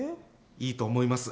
いいと思います。